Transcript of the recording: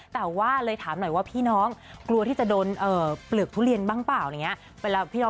แต่ว่าเลยถามหน่อยว่าพี่น้องกลัวที่จะโดนเปลือกทุเรียนบ้างเปล่าอย่างนี้